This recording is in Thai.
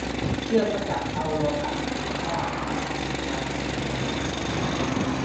เพื่อสกัดเอาโลหะมีค่ามาทำเหรียญรางวัล